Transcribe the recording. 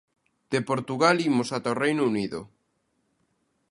De Portugal imos ata o Reino Unido.